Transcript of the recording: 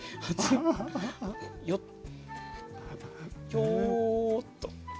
ひょっと。